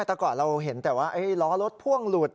แต่ก่อนเราเห็นแต่ว่าล้อรถพ่วงหลุด